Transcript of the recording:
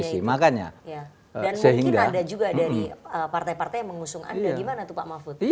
dan mungkin ada juga dari partai partai yang mengusung anda gimana pak mahfud